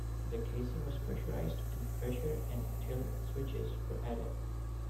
The casing was pressurised, and pressure and tilt switches were added.